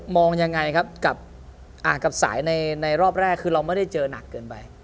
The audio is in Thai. ยังไงครับกับสายในรอบแรกคือเราไม่ได้เจอหนักเกินไป